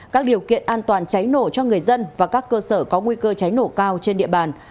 các điều kiện an toàn cháy nổ cho người dân và các cơ sở có nguy cơ cháy nổ cao trên địa bàn